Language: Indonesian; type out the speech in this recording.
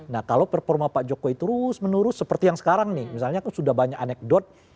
nah kalau performa pak jokowi terus menerus seperti yang sekarang nih misalnya kan sudah banyak anekdot